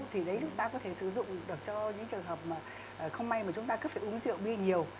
thì đấy chúng ta có thể sử dụng được cho những trường hợp mà không may mà chúng ta cứ phải uống rượu bia nhiều